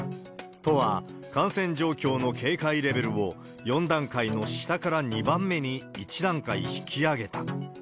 都は、感染状況の警戒レベルを、４段階の下から２番目に１段階引き上げた。